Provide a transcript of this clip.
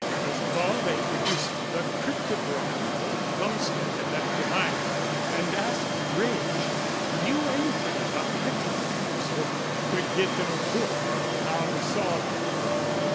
First of all they produced the cryptogram old Lumsden had left behind, and asked Grange if he knew anything about cryptograms or could get them a book on how to solve them.